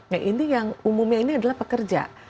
nah ini yang umumnya ini adalah pekerja